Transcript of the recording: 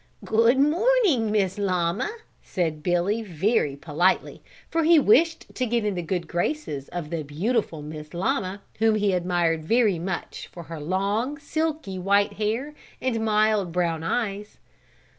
"Good morning, Miss Llama," said Billy very politely, for he wished to get in the good graces of the beautiful Miss Llama whom he admired very much for her long, silky, white hair and mild, brown eyes.